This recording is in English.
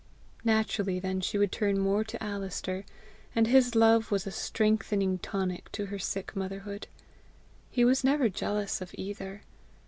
Naturally then she would turn more to Alister, and his love was a strengthening tonic to her sick motherhood. He was never jealous of either.